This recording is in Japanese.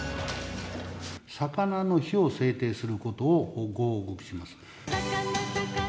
さかなの日を制定することをご報告します。